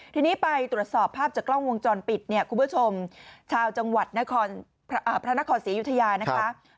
ทีนี้ไปตรวจสอบภาพจากกล้องวงจรปิดเนี่ยคุณผู้ชมชาวจังหวัดพระนครศรีอยุธยานะคะ